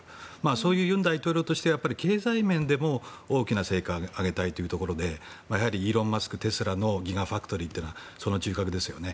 そういう尹大統領としては経済面でも大きな成果を上げたいというところでイーロン・マスク、テスラのギガファクトリーはその中核ですよね。